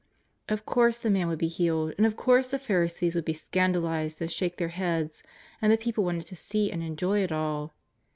Of course the man would be healed, and of course the Pharisees would be scandalized and shake their heads, and the people wanted to see and enjoy it all.